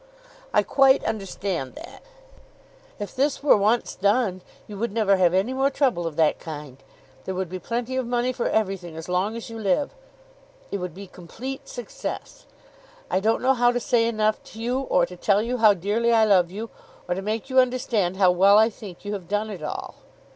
"I quite understand that." "If this were once done you would never have any more trouble of that kind. There would be plenty of money for everything as long as you live. It would be complete success. I don't know how to say enough to you, or to tell you how dearly I love you, or to make you understand how well I think you have done it all."